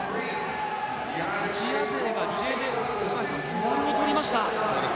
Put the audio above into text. アジア勢がリレーで高橋さん、メダルを取りました。